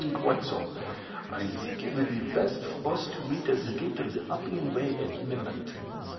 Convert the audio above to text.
"Quite so. I think it would be best for us to meet at the Gate of the Appian Way at midnight.